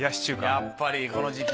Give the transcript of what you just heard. やっぱりこの時期。